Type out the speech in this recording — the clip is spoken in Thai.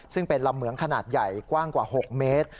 ซึ่งเป็นลำเหมืองขนาดใหญ่กว้างกว่า๖เมตร